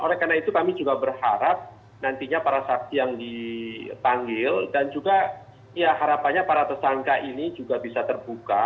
oleh karena itu kami juga berharap nantinya para saksi yang dipanggil dan juga ya harapannya para tersangka ini juga bisa terbuka